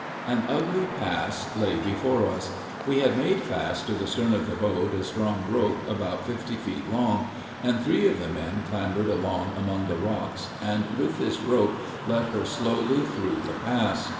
An ugly pass lay before us. We had made fast to the stern of the boat a strong rope about fifty feet long; and three of the men clambered along among the rocks, and, with this rope, let her slowly through the pass.